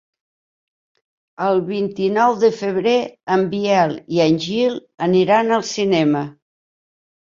El vint-i-nou de febrer en Biel i en Gil aniran al cinema.